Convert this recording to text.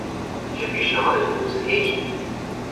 چه پیشنهاد مضحکی!